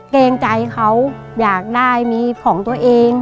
เกรงใจเขาอยากได้มีของตัวเอง